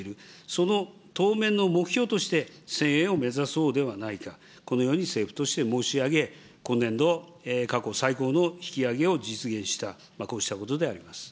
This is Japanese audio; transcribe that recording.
その当面の目標として、１０００円を目指そうではないか、このように政府として申し上げ、今年度、過去最高の引き上げを実現した、こうしたことであります。